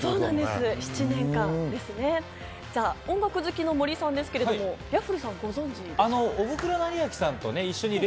音楽好きの森さんですが、Ｙａｆｆｌｅさんご存じですか？